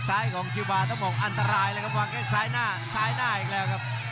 ของคิวบาร์ต้องบอกอันตรายเลยครับวางแค่ซ้ายหน้าซ้ายหน้าอีกแล้วครับ